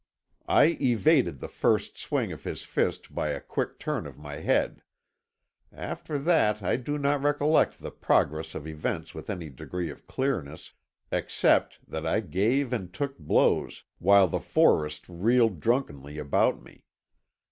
I evaded the first swing of his fist by a quick turn of my head. After that I do not recollect the progress of events with any degree of clearness, except that I gave and took blows while the forest reeled drunkenly about me.